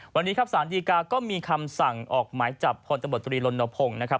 วันนี้ครับสารดีกาก็มีคำสั่งออกหมายจับพลตำรวจตรีลนพงศ์นะครับ